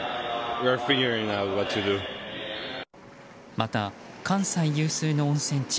また関西有数の温泉地